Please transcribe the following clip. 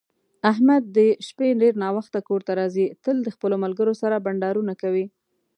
احمد د شپې ډېر ناوخته کورته راځي، تل د خپلو ملگرو سره بنډارونه کوي.